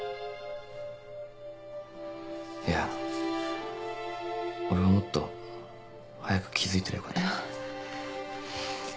いや俺がもっと早く気付いてりゃよかった。